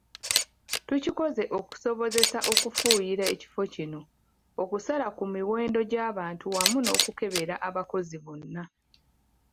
Tukikoze okusobozesa okufuuyira ekifo kino, okusala ku muwendo gw’abantu wamu n’okukebera abakozi bonna.